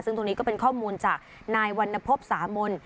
ซึ่งตรงนี้ก็เป็นข้อมูลจากนายวรรณพบสามน